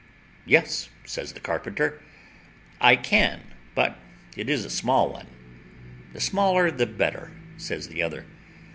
"Yes," says the carpenter, "I can, but it is a small one." "The smaller the better," says the other.